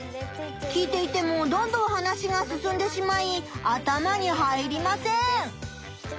聞いていてもどんどん話が進んでしまい頭に入りません！